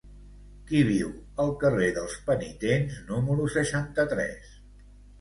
Qui viu al carrer dels Penitents número seixanta-tres?